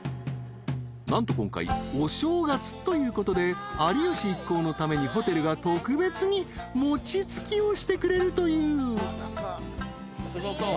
［何と今回お正月ということで有吉一行のためにホテルが特別に餅つきをしてくれるという］